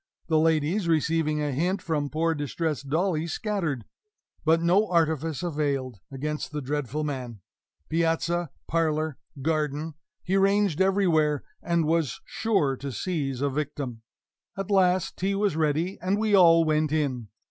The ladies, receiving a hint from poor distressed Dolly, scattered. But no artifice availed against the dreadful man. Piazza, parlor, garden he ranged everywhere, and was sure to seize a victim. At last tea was ready, and we all went in.